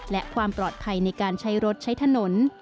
และความปลอดภัยในการใช้รถใช้ถนน